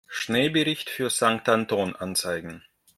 Schneebericht für Sankt Anton anzeigen.